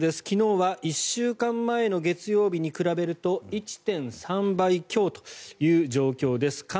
昨日は１週間前の月曜日に比べると１．３倍強という状況です。